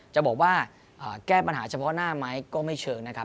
จะบอกว่าแก้ปัญหาเฉพาะหน้าไหมก็ไม่เชิงนะครับ